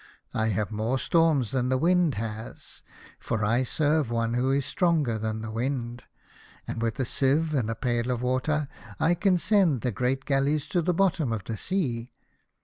I have more storms than the wind has, for I serve one who is stronger than the wind, and with a sieve and a pail of water I can send the great galleys to the bottom of the sea.